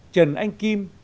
trần anh kim